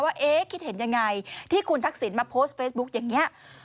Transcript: เอ๊ะคิดเห็นยังไงที่คุณทักษิณมาโพสต์เฟซบุ๊กอย่างนี้